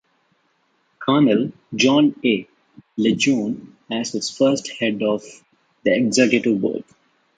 Colonel John A. Lejeune as its first head of the executive board.